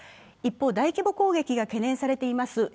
一方大規模攻撃がされています